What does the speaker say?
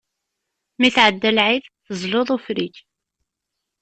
Mi tɛedda lɛid, tezluḍ ufrik.